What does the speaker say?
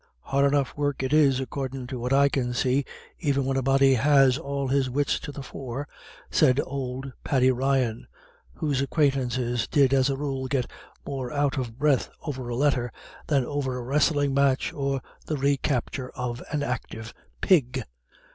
Hard enough work it is, accordin' to what I can see, even when a body has all his wits to the fore," said old Paddy Ryan, whose acquaintances did as a rule get more out of breath over a letter than over a wrestling match or the recapture of an active pig.